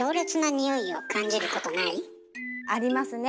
あぁ！ありますね。